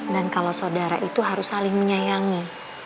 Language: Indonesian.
dan kalau saudara itu harus saling menyayangi